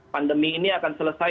pandemi ini akan selesai